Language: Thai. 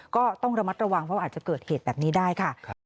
ก็ต้องระมัดระวังเพราะอาจจะเกิดเหตุแบบนี้ได้ค่ะ